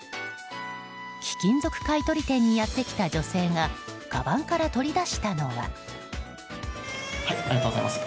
貴金属買い取り店にやってきた女性がかばんから取り出したのは。